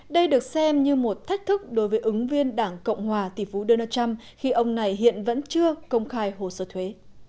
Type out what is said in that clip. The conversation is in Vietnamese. đây được xem như một thách thức đối với ứng viên đảng cộng hòa tỷ phú donald trump khi ông này hiện vẫn chưa công khai hồ sơ thuế